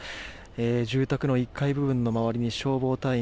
住宅の１階部分の周りに消防隊員